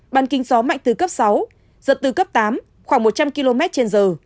bàn kinh gió mạnh từ cấp sáu giật từ cấp tám khoảng một trăm linh km trên giờ